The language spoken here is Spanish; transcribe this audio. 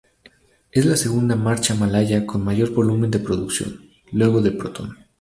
Es la segunda marca malaya con mayor volumen de producción, luego de Proton.